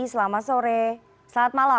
selamat sore saat malam